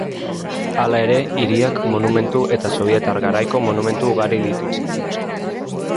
Hala ere, hiriak monumentu eta sobietar garaiko monumentu ugari ditu.